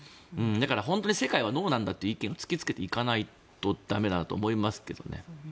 だから、本当に世界はノーなんだという意見を突きつけていかないと駄目なんだと思いますけどね。